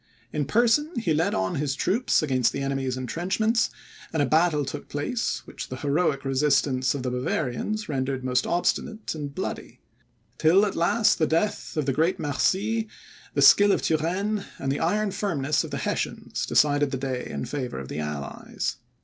In person, he led on his troops against the enemy's entrenchments, and a battle took place, which the heroic resistance of the Bavarians rendered most obstinate and bloody; till at last the death of the great Mercy, the skill of Turenne, and the iron firmness of the Hessians, decided the day in favour of the allies.